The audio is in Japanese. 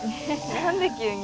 何で急に？